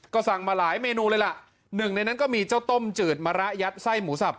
ก็สั่งมาหลายเมนูเลยล่ะหนึ่งในนั้นก็มีเจ้าต้มจืดมะระยัดไส้หมูสับ